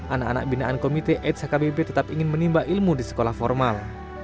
anak anak binaan komite aids hkbp tetap ingin menimba ilmu di sekolah formal